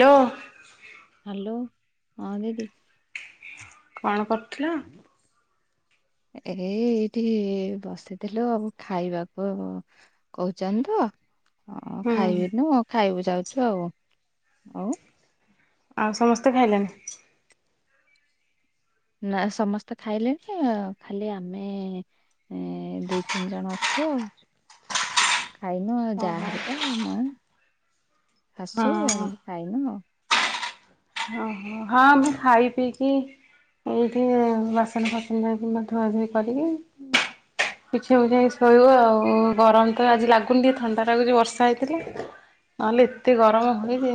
ଲୋ। Hello ହଁ ଦିଦି। କଣ କରୁଥିଲ। ଏଇ ଏଇଠି ବସିଥିଲୁ ଆଉ ଖାଇବାକୁ କହୁଛନ୍ତି ତ ହଁ ହୁଁ ଖାଇବିନୁ ଖାଇବକୁ ଯାଉଛୁ ଆଉ ହଉ ଆଉ ସମସ୍ତେ ଖାଇଲେଣିି। ନା ସମସ୍ତେ ଖାଇଲେଣି ଆଉ ଖାଲି ଆମେ ଏ ଦୁଇ ତିନି ଜଣ ଅଛୁ ଆଉ [inaudible] ଖାଇନୁ ଯା ଓହୋ ହାରରିକା ମୁଁ ଶାସୁ ହଁ ଆଇଁ ଖାଇନୁ। ଅ ହ ହଁ ମୁଁ ଖାଇ ପିଇକି ଏଇଠି ବାସନ ଫାସନରେ କିମ୍ବା ଧୁଆ ଧୁଇ କରିକି ବିଛେଇବୁଛା କି ଶୋଇବୁ ଆଉ ଗରମ ତ ଆଜି ଲାଗୁନି ଟିକେ ଥଣ୍ଡା ଲାଗୁଛି ବର୍ଷା ହେଇଥିଲା। ନହେଲେ ଏତେ ଗରମ ହୁଏ ଯେ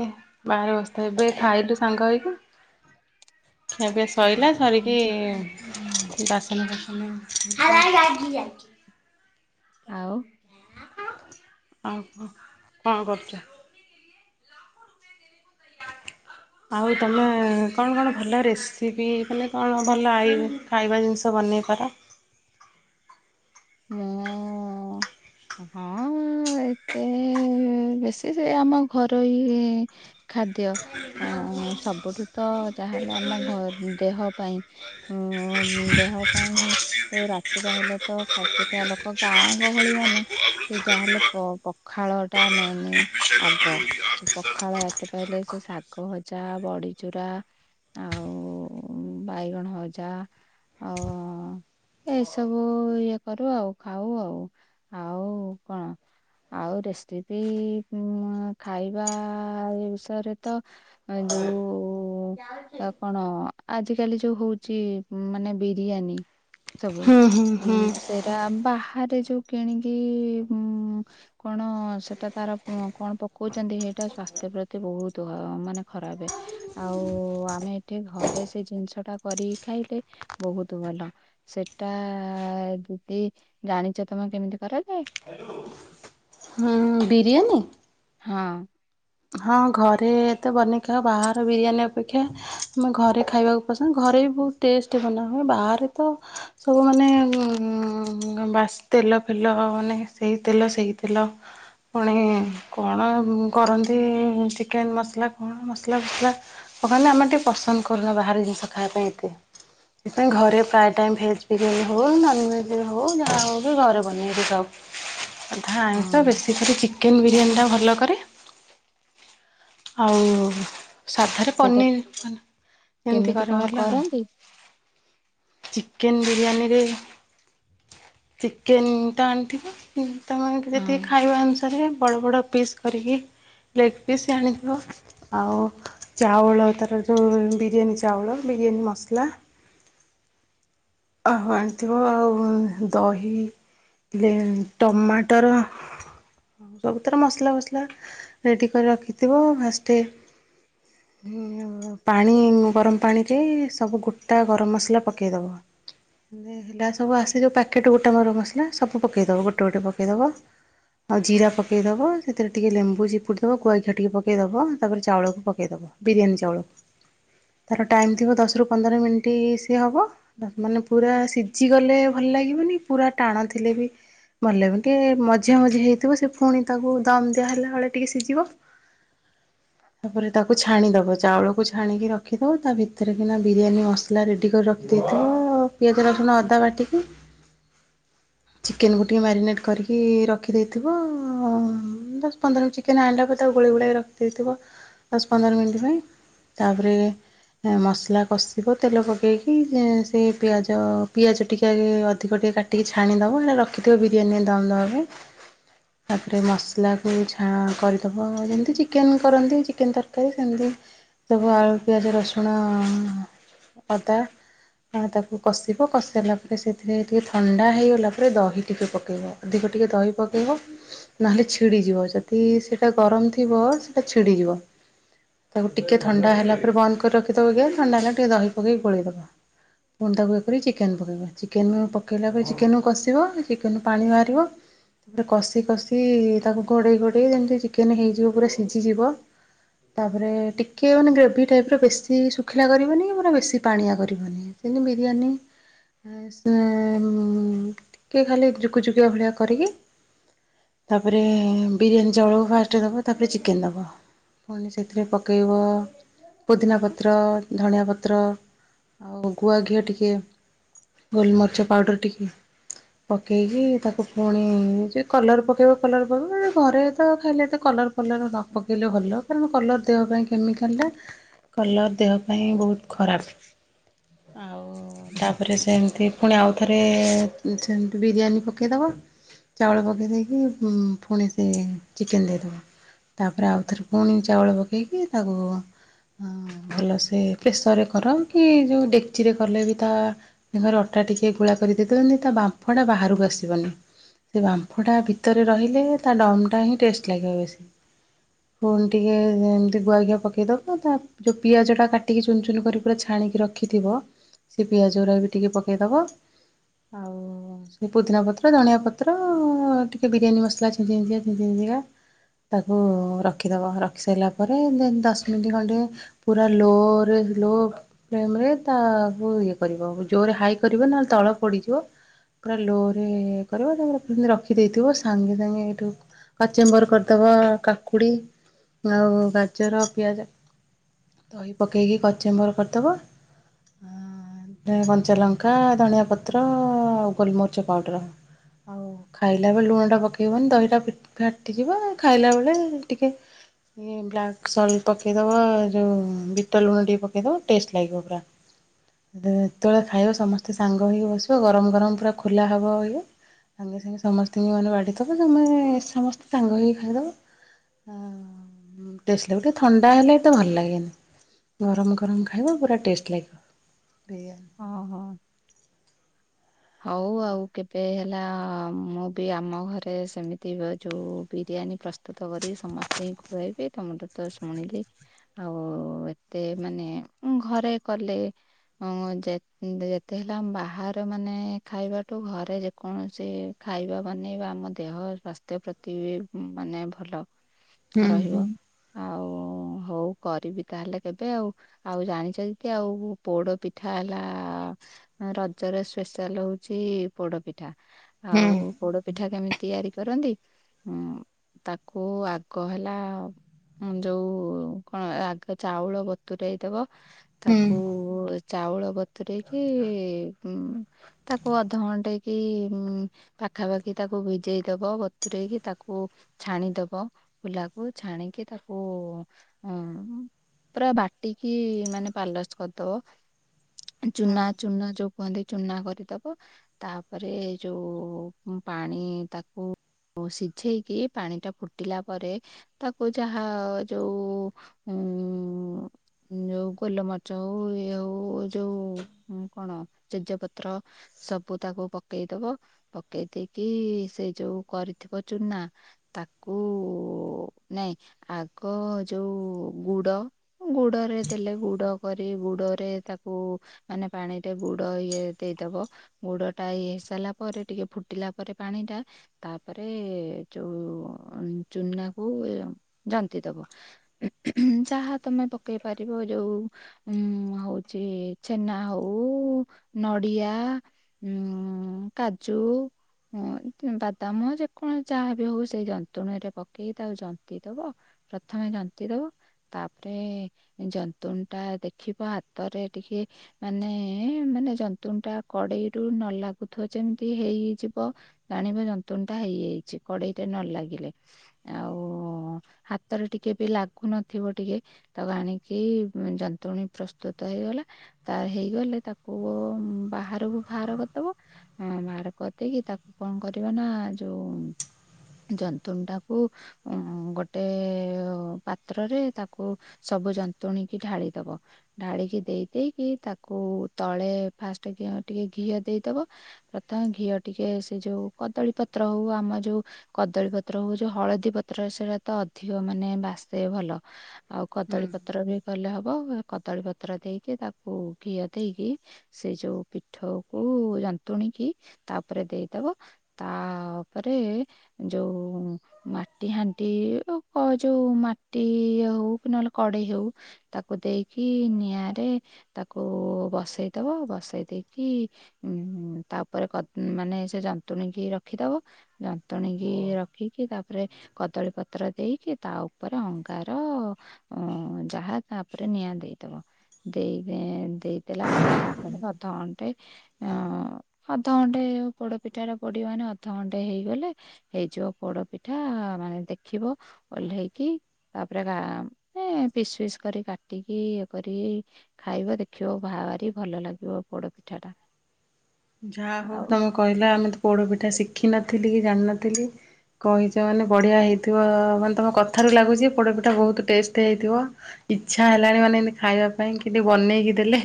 ବାହାରେ ବସିଥାଏ ଏବେ ଖାଇଲୁ ସାଙ୍ଗ ହେଇକି। ଏବେ ଶଇଲା ସରିକି ବାସନ ଫାସନ ହରାଇ ରାଜି ଆ [unintelligible] ଆଉ। ଆଉ କଣ କରୁଛ। [inaudible] ଆଉ ତମେ କଣ କଣ ଭଲ ରେପ୍ସିପି ହେଲେ କଣ ଭଲ ଆଇବୁ। ଖାଇବା ଜିନିଷ ବନେଇ କର। ମୁଁ ହଁ ଏତେ ବେଶୀ ସେ ଆମ ଘର ଇଏ ଖାଦ୍ୟ ଅ ସବୁଠୁ ତ ଯାହା ହେଲା ଆମ ଘ ଦେହ ପାଇଁ ହଁ ଦେହ ପାଇଁ ରାତି ବା ହେଲତ ଖ ଏକା ଲୋକ ଗାଁ ଗହଳି ଅନେକ ସେ ଯାହାହେଲେ ପ ପଖାଳ ଟା ମେନ ଆଗ ପଖାଳ ରାତି ପାଇଲେ ସେ ଶାଗ ଭଜା ବଢି ଚୁରା ଆଉ ବାଇଗଣ ହଜା ଆଉ ଏସବୁ ଇଏ କରୁ ଆଉ ଖାଉ ଆଉ ଆଉ କଣ ଆଉ ରେସିପି ଖାଇବା ଏ ବିଷୟରେ ତ ଯୋଉ ଆପଣ? ଆଜିକାଲି ଯୋଉ ହଉଛି ମାନେ ବିରିୟାନୀ ସବୁ ହୁଁ ହୁଁ ହୁଁ ଏରା ବାହାରେ ଯୋଉ କିଣିକି ଉଁ କଣ ସେଟା ତାର କଣ ପକଉଛନ୍ତି ହେଇଟା ସ୍ଵାସ୍ଥ୍ୟ ପ୍ରତି ବହୁତ ମାନେ ଖରାପେ ଆଉ ଆମେ ଏଠି ଘରେ ସେ ଜିନିଷ ଟା କରିକି ଖାଇଲେ ବହୁତ ଭଲ ସେଟା ଆ ଏବୁ ଏ ଜାଣିଛ ତମେ କେମିତି କରାଜାଏ। ହୁଁ ବିରିୟାନୀ? ହଁ। ହଁ ଘରେତ ବନେଇକି ଖାଇବ ବାହାର ବିରିୟାନୀ ଅପେକ୍ଷା ଆମେ ଘରେ ଖାଇବାକୁ ପସନ୍ଦ ଘରେ ବି ବହୁତ ଟେଷ୍ଟ ବନାହୁଏ ବାହାରେ ତ ସବୁ ମାନେ ଉ ବା ତେଲ ଫେଲ ମାନେ ସେଇ ତେଲ ସେଇ ତେଲ ପୁଣି କଣ କରନ୍ତି ଚିକେନ ମସଲା କଣ ମସଲା ଫସଲା କହନି ଆମେ ଟିକେ ପସନ୍ଦ କରୁନି ବାହାର ଜିନିଷ ଖାଇବା ପାଇଁ ଏତେ। ସେଥିପାଇଁ ଘରେ ପ୍ରାୟ ଟାଇମ୍ ଭେଜ୍ ବିରିୟାନୀ ହଉ ନନ୍ଭେଜ୍ ହଉ ଯାହା ହଉ କି ଘରେ ବନେଇି ଖାଉ। ଅଧା ଆଇଁଷ ହଁ ବେଶୀ ଟିକେ ଚିକେନ ବିରିୟାନୀ ଟା ଭଲ କରେ। ଆଉ ସାଧାରେ ସେଇଟା ପନିର ଏମିତି କେମିତି କରେ କଣ ଭଲ ଆଉ। କରନ୍ତି? ଚିକେନ ବିରିୟାନୀରେ ଚିକେନ ତ ଆଣିଥିବ? ତମ ମାନଙ୍କୁ ଯେତିକି ହଁ। ଖାଇବା ଅନୁସାରେ ବଡ଼ ବଡ଼ ପିସ୍ କରିକି। ଲେଗ୍ ପିସ୍ ଆଣିଥିବ ଆଉ। ଚାଉଳ ତାର ଯଉ ବିରିୟାନୀ ଚାଉଳ ବିରିୟାନୀ ମସଲା ଅହ ଆଣିଥିବ ଆଉ ଦହି ବି ଟମାଟର ସବୁତାର ମସଲା ଫସଲା ରେଡ଼ି କରି ରଖିଥିବ ଫାଷ୍ଟେ ଆଉ ପାଣି ଗରମ ପାଣି ଦେଇ ସବୁ ଗୋଟା ଗରମ ମସଲା ପକେଇଦେବ। ହେଲେ ହେଲା ସବୁ ଆସେ ଯଉ ପ୍ୟାକେଟ୍ ଗୋଟା ମୋର ମସଲା ସବୁ ପକେଇଦବ ଗୋଟେ ଗୋଟେ ପକେଇଦବ। ଆଉ ଜିରା ପକେଇଦବ ସେଥିରେ ଟିକେ ଲେମ୍ବୁଚିପୁ ପୁଡ଼ିଦେବ ଗୁଆଘି ଟିକେ ପକେଇ ଦବ ତାପରେ ଚାଉଳକୁ ପକେଇଦବ ବିରିୟାନୀ ଚାଉଳକୁ। ତାର ଟାଇମ୍ ଥିବ ଦଶରୁ ପନ୍ଦର ମିନିଟ୍ ସିଏ ହବ। ମାନେ ପୁରା ସିଝି ଗଲେ ଭଲ ଲାଗିବନି ପୁରା ଟାଣ ଥିଲେ ବି ଭଲ ଲାଗିବନି ଟିକେ ମଝିଆ ମଝି ହେଇଥିବ ସେ ଫୁଣି ତାକୁ ଦମ ଦିଆ ହେଲାବେଳେ ଟିକେ ସିଝିବ ତାପରେ ତାକୁ ଛାଣିଦବ ଚାଉଳକୁ ଛାଣିକି ରଖିଦବ ତା ଭିତରେ କିନା ବିରିୟାନୀ ମ ସଲା ରେଡ଼ି କରି ରଖିଦେଇଥିବ ପିଆଜ ରସୁଣ ଅଦା ବାଟିକି। ଚିକେନ୍କୁ ଟିକେ ମ୍ୟାରିନେଟ୍ କରିକି ରଖିଦେଇଥିବ ଅ ଦଶ ପନ୍ଦର ଚି ଚିକେନ ଆଣିଲା ପରେ ତାକୁ ଗୋଳେଇ ଗୁଳାକି ରଖିଦେଇଥିବ ଦଶ ପନ୍ଦର ମିନିଟ୍ ପାଇଁ ତାପରେ ମସଲା କଷିବ ତେଲ ପକେଇକି ସେ ପିଆଜ ପିଆଜ ଟିକିଏ ଆଗେ ଅଧିକ ଟିକି କା ଟିକେ ଛାଣିଦବ ହେରା ରଖିଥିବ ବିରିୟାନୀରେ ଦମ୍ ଦେବା ପାଇଁ। ତାପରେ ମସଲାକୁ ଛା କରିଦେବ ଯେମିତି ଚିକେନ୍ କରନ୍ତି ଚିକେନ ତରକାରୀ ସେମିତି ସବୁ ଆଳୁ ପିଆଜ ରସୁଣ ଅଦା ଆ ତାକୁ କଷିବ କଷିିସାଇଲା ପରେ ସେଥିରେ ଟିକେ ଥଣ୍ଡା ହେଇଗଲା ପରେ ଦହି ଟିକେ ପକେଇବ। ଅଧିକ ଟିକେ ଦହି ପକେଇବ ନହେଲେ ଛିଡିଯିବ ଯଦି ସେଇଟା ଗରମ ଥିବ ସେଇଟା ଛିଡିଯିବ। ତାକୁ ଟିକେ ଥଣ୍ଡା ହେଲା ପରେ ବନ୍ଦ କରି ରଖିଦବ। ଜେନ ଥଣ୍ଡା ହେଲା ଟିକେ ଦହି ପକେଇ ଗୋଳେଇଦବ। ପୁଣି ତାକୁ ଇଏ କରିକି ଚିକେନ ପକେଇବ ଚିକେନ ପକେଇଲା ପରେ ଚିକେନକୁ କଷିବ ଚିକେନରୁ ପାଣି ବାହାରିବ ତାପରେ କଷି କଷି ତାକୁ ଘୋଡେଇ ଘୋଡେଇ ଯେମିତି ଚିକେନ ହେଇଯିବ ପୁରା ସିଝିଯିବ ତାପରେ ଟିକେ ମାନେ ଗ୍ରେଭି ଟାଇପ୍ର ବେଶୀ ଶୁଖିଲା କରିବନି କି ପୁରା ବେଶୀ ପାଣିଆ କରିବନି। ଜେନ୍ତି ବିରିୟାନି ସେ ଏମ୍ ଟିକେ ଖାଲି ଯୁକୁଜୁକିଆ ଭଳିଆ କରିକି ତାପରେ ବିରିୟାନୀ ଚାଉଳକୁ ଫାଷ୍ଟ ଦବ ତାପରେ ଚିକେନ ଦବ। ପୁଣି ସେଥିରେ ପକେଇବ ପୋଦିନା ପତ୍ର ଧଣିଆ ପତ୍ର ଆଉ ଗୁଆ ଘିଅ ଟିକେ ଗୋଲମରିଚ ପାଉଡ଼ର ଟିକେ। ପକେଇକି ତାକୁ ପୁଣି ଯେ କଲର ପକେଇବ କଲର ପକେଇବ ଘରେ ତ ଖାଇଲେ ତ କଲର ଫଲର ନ ପକେଇଲେ ଭଲ କାରଣ କଲର ଦେହ ପାଇଁ କେମିକାଲଟା କଲର୍ ଦେହ ପାଇଁ ବହୁତ ଖରାପ। ଆଉ ତାପରେ ସେମିତି ପୁଣି ଆଉଥରେ ସେମିତି ବିରିୟାନୀ ପକେଇଦବ। ଚାଉଳ ପକେଇ ଦେଇକି ଉଁ ପୁଣି ସେ ଚିକେନ୍ ଦେଇ ତାପରେ ଆଉଥରେ ପୁଣି ଚାଉଳ ପକେଇକି ତାକୁ ହଁ ଭଲସେ ପ୍ରେସରରେ କର କି ଯେଉଁ ଡେକ୍ଚିରେ କଲେ ବି ତା ଘରେ ଅଟା ଟିକେ ଗୁଳା କରିଦେଇଦେବେ। ଯେନ୍ତି ତା ବାମ୍ଫଟା ବାହାରକୁ ଆସିବନି। ସେ ବାମ୍ଫଟା ଭିତରେ ରହିଲେ ତା ଡମ୍ଟା ହିଁ ଟେଷ୍ଟ ଲାଗିବ ବେଶୀ। ପୁଣି ଟିକେ ଏମିତି ଗୁଆଘିଆ ପକେଇଦବା ତା ଯୋଉ ପିଆଜ ଟା କାଟିକି ଚୁନ ଚୁନ କରି ପୁରା ଛାଣିକି ରଖିଥିବ ସେ ପିଆଜ ଗୁରା ବି ଟିକେ ପକେଇଦବ ଆଉ ସେ ପୁଦିନା ପତ୍ର ଧଣିଆ ପତ୍ର ଟିକେ ବିରିୟାନୀ ମସଲା ଛିଞ୍ଚ ଛିଞ୍ଚିକା ଛିଞ୍ଚ ଛିଂଚିକା ତାକୁ ରଖିଦବ ରଖିସାରିଲା ପରେ ଦେନ୍ ଦଶ ମିନିଟ୍ ଖଣ୍ଡେ ପୁରା ଲୋରେ ଲୋ ଫ୍ଲେମ୍ ରେ ତାକୁ ଇଏ କରିବ ଜୋରେ ହାଇ କରିବନି ନହେଲେ ତଳ ପୋଡିଯିବ। ପୁରା ଲୋ ରେ କରିବ ତାପରେ ସେମିତି ରଖିଦେଇଥିବ ସାଙ୍ଗେ ସାଙ୍ଗେ ଏଇଠୁ କଚମ୍ବର୍ କରିଦେବା କାକୁଡ଼ି ଆଉ ଗାଜର ପିଆଜ ଦହି ପକେଇକି କଚେମ୍ବର କରିଦେବ ଆଁ କଞ୍ଚାଲଙ୍କା ଧଣିଆ ପତ୍ର ଆଉ ଗୋଲମରିଚ ପାଉଡ଼ର। ଆଉ ଖାଇଲା ବେଳେ ଲୁଣ ଟା ପକେଇବନି ଦହିଟା ଫି ଫାଟିଯିବ ଖାଇଲା ବେଳେ ଟିକେ ଇଏ ବ୍ଲାକ୍ ସଲ୍ଟ ପକେଇଦବ ଏ ଯୋଉ ବିଟ ଲୁଣ ଟିକେ ପକେଇଦବ ଟେଷ୍ଟ ଲାଗିବ ପୁରା। ଯେତେବେଳେ ଖାଇବ ସମସ୍ତେ ସାଙ୍ଗ ହେଇକି ବସିବ ଗରମ ଗରମ ପୁରା ଖୋଲା ହବ ଇଏ ସାଙ୍ଗେ ସାଙ୍ଗେ ସମସ୍ତଙ୍କି ମାନେ ବା଼ଢିଦବ ଯେ ମାନେ ସେ ସମସ୍ତେ ସାଙ୍ଗ ହେଇକି ଖାଇଦବ। ଟେଷ୍ଟ ଲାଗ ଟିକେ ଥଣ୍ଡା ହେଲେ ଏତେ ଭଲ ଲାଗେନି। ଗରମ ଗରମ ଖାଇବ ପୁରା ଟେଷ୍ଟ ଲାଗିବ। ଓହୋ। ହଉ ଆଉ କେବେ ହେଲା ମୁଁ ବି ଆମ ଘରେ ସେମିତି ଯୋଉ ବିରିୟାନୀ ପ୍ରସ୍ତୁ ସ୍ତୁତ କରିବି ସମସ୍ତୀଙ୍କୁ ଖୁଆଇବି ତମଠୁ ତ ଶୁଣିଲି ଆଉ ଏତେ ମାନେ ଘରେ କଲେ ହଁ ଯେ ଯେତେ ହେଲେ ଆମ ବାହାର ମାନେ ମାନେ ଖାଇବାଠୁ ଘରେ ଯେକୌଣସି ଖାଇବା ବନେଇବା ଆମ ଦେହ ସ୍ୱାସ୍ଥ୍ ସ୍ଥ୍ୟ ପ୍ରତି ବି ମାନେ ଭଲ। ହ ରହିବ ଆଉ ହୋଉ କରିବି ତାହେଲେ କେବେ ଆଉ। ଆଉ ଜାଣିଛନ୍ତି କି ଆଉ ପୋଡ ପିଠା ହେଲା ରଜରେ ସ୍ପେଶାଲ ହଉଛି ପୋଡପିଠା ହୁଁ ଆଉ ପୋଡପିଠା କେମିତି ତିଆରି କରନ୍ତି? ହୁଁ ତାକୁ ଆଗ ହେଲା। ଯୋଉ କଣ ଆଗ ଚାଉଳ ବତୁରାଇ ଦବ। ହୁଁ ତାକୁ ଚାଉଳ ବତୁରେଇକି ଉ ତାକୁ ଅଧ ଘଣ୍ଟେଇ କି ପାଖାପାଖି ତାକୁ ଭିଜେଇ ଦବ ବତୁରଇକି ତାକୁ ଛାଣିଦବ। ଫୁଲାକୁ ଛାଣିକି ତାକୁ ପୁରା ବାଟିକି ମାନେ ପାଲିସ କରିଦବ ହଁ ଚୁନା ଚୁନା ଯୋଉ କୁହନ୍ତି ଚୁନା କରିଦବ ତାପରେ ଯୋଉ ପାଣି ତାକୁ ସିଝେଇକି ପାଣି ଟା ଫୁଟିଲା ପରେ ତାକୁ ଯାହା ଯୋଉ ଉ ଯୋଉ ଗୋଲମର୍ଚ ହଉ ଇଏ ହଉ ଯୋଉ କଣ ତେଜ ପତ୍ର। ସବୁ ତାକୁ ପକେଇ ଦବ, ପକେଇ ଦେଇେକି ସେ ଯୋଉ କରିଥିବ ଚୁନା ତାକୁ, ନାଇଁ ଆଗ ଯୋଉ ଗୁଡ ଗୁଡରେ ଦେଲେ, ଗୁଡ କରି, ଗୁଡରେ ତାକୁ ମାନେ ପାଣିରେ ଗୁଡ ଗୁଡ ଇଏ ଦେଇଦବ, ଗୁଡ ଟା ଇଏ ହେଇ ସାରିଲା ପରେ ଟିକେ ଫୁଟିଲା ପରେ ପାଣି ଟା ତାପରେ ଯଉ ଚୁନା କୁ ଜନ୍ତି ଦବ। ଯହା ତମେ ପକେଇ ପାରିବ ଯୋଉ ହୁଁ ହଉଛି ଛେନା ହଉ ନଡିଆ ଉ କାଜୁ ହଁ ବାଦାମ ଯେ କଣ ଯାହା ବି ହଉ, ସେଇ ଯନ୍ତୁଣୀ ରେ ପକେଇକି ତାଉ ଜନ୍ତ ଦବ ପ୍ରଥମେ ଜାନ୍ତି ଦବ ତାପରେ ଜନ୍ତୁଣି ଟା ଦେଖିବ ହାତରେ ଟିକେ ମାନେ ମାନେ ଜନ୍ତୁଣି ଟା କଡେଇରୁୁ ନ ଲାଗୁଥିବ ଯେମିତି ହେଇଯିବ ଜାଣିବା ଯନ୍ତୁଣ ଟା ହେଇଯାଇଛି କଡେଇରେ ନ ଲାଗିଲେ ଆଉ ହାତରେ ଟିକେ ବି ଲାଗୁନଥିବ ଟିକେ ତାକୁ ଆଣିକି ଯନ୍ତୁଣୀ, ପ୍ରସ୍ତୁତ ହେଇଗଲା ତାର ହେଇଗଲେ ତାକୁ ପଅ ବାହାରକୁ ବାହାର କରିଦବ ହଁ ବାହାର କରିଦେଇକି ତାକୁ କଣ କରିବା ନା ଯୋଉ ଜନ୍ତୁଣି ଟାକୁ ଗୋଟେ ପାତ୍ରରେ ତାକୁ ସବୁ ଯନ୍ତୁଣୀ କିି ଢାଳିଦବ ଢାଳିକି ଦେଇ ଦେଇେଇକି ତାକୁ ତଳେ ଫାଷ୍ଟ ଟିକେ ଘିଅ ଦେଇଦବ ପ୍ରଥମେ ଘିଅ ଟିକେ ସେ ଯୋଉ କଦଳୀ ପତ୍ର ହଉ ଆମ ଯୋଉ କଦଳୀ ପତ୍ର ହଉ ଯୋଉ ହଳଦୀ ପତ୍ର ସେଟା ତ ଅଧିକ ମାନେ ବାସେ ଭଲ ଆଉ କଦଳୀ ହୁଁ। ପତ୍ର ବି କଲେ ହବ କଦଳୀ ପତ୍ର ଦେଇକି ତାକୁ ଘିଅ ଦେଇକି ସେ ଯୋଉ ପିଠଉକୁ କୁ ଯନ୍ତୁଣିକି ତାପରେ ଦେଇଦବ ତାପରେ ଯୋଉ ମାଟି ହାଣ୍ଡି ଉପ ଯୋଉ ମାଟି ହଉ କି ନହେଲେ କଡେଇ ହଉ ତାକୁ ଦେଇକି ନିଆଁରେ ତାକୁ ବସେଇଦବ ବସେଇ ଦେଇକି ଉଁ ତାପରେ ମାନେ ସେ ଯନ୍ତୁଣୀ କି ରଖିଦବ। ଯନ୍ତୁଣିକି ରଖିକି, ତାପରେ କଦଳୀ ପତ୍ର ଦେଇକି, ତା ଉପରେ ଅଙ୍ଗାର ଅ ଯାହା ତାାପରେ ନିଆଁ ଦେଇଦବ ଦେଇ ଦେଇ ଦେଲା ପରେ ତାପ ଅଧଘଣ୍ଟେ ଅ ଅଧଘଣ୍ଟେ ପୋଡପିଠା ର ପଡି ମାନେ ଅଧଘଣ୍ଟେ ହେଇଗଲେ ହେଇଯିବ ପୋଡ ପିଠା ମାନେ ଦେଖିବ ଓହ୍ଲେଇକି ତାପରେ ପିସ୍ ଫିସ୍ କରି କାଟିକି ଇଏ କରିକି ଖାଇବ ଦେଖିବ ବାହାରି ଭଲ ଲାଗିବ ପୋଡ ପିଠାଟା। ଯାହା ହଉ ତମେ କହିଲା ଆମେ ତ ପୋଡ ପିଠା ଶିଖିନଥିଲି କି ଜାଣିନଥିଲି। କହିଛ ମାନେ ବଢ଼ିଆ ହେଇଥିବ, ମାନେ ତମ କଥାରୁ ଲାଗୁଛି ପୋଡ଼ପିଟା ବହୁତ ଟେଷ୍ଟ ହେଇଥିବ ଇଚ୍ଛା ହେଲାଣି ମାନେ ଏମିତି ଖାଇବା ପାଇଁ କିଏ ଟିକେ ବନେଇକି ଦେଲେ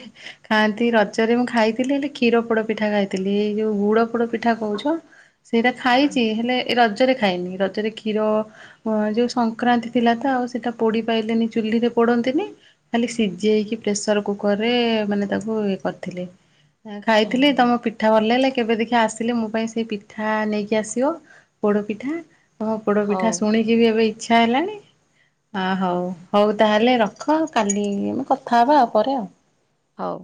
ଖାଆନ୍ତି ରଜରେ ମୁଁ ଖାଇଥିଲି ହେଲେ କ୍ଷୀର ପୋଡ ପିଠା ଖାଇଥିଲି ଏଇ ଯୋଉ ଗୁଡ ପୋଡ ପିଠା କହୁଛ ସେଇଟା ହଁ ଖାଇଛି ହେଲେ ଏ ରଜରେ ଖାଏନି ରଜରେ କ୍ଷୀର ହ ଯେଉଁ ସଂକ୍ରାନ୍ତି ଥିଲା ତ ଆଉ ସେଇଟା ପୋଡ଼ି ପାଇଲେନି ଚୁଲିରେ ପୋଡ଼ନ୍ତିନି। ଖାଲି ସିଝେଇେଇକି ପ୍ରେସର କୁକର ରେ ମାନେ ତାକୁ ଇଏ କରିଥିଲେ ଏ ଥିଲେ ହଁ ତମ ପି ପିଠା ଭଲ ଲାଗଲେ କେବେ ଦେଖିବା ଆସିଲେ ମୋ ପାଇଁ ସେ ପିଠା ନେଇକି ଆସିବ ପୋଡ଼ ପିଠା। ହଁ ପୋଡ ପିଠା ହଉ ଶୁଣକିିବି ଏବେ ଇଚ୍ଛା ହେଲାଣି। ହ ହଉ ହଉ ତାହେଲେ ରଖ କାଲି ଆମ କଥା ହେବା ଆଉ ପରେ ଆଉ। ହଉ।